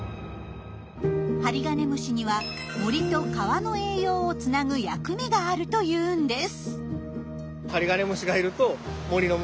ハリガネムシには森と川の栄養をつなぐ役目があるというんです。